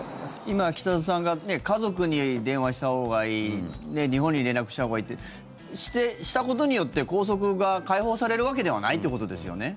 今、北里さんが家族に電話したほうがいい日本に連絡したほうがいいってしたことによって拘束が解放されるわけではないってことですよね。